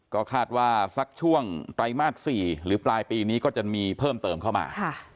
ก็คาดว่าสักช่วงไตรมาส๔หรือปลายปีนี้ก็จะมีเพิ่มเติมเข้ามา